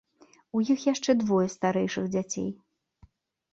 У іх яшчэ двое старэйшых дзяцей.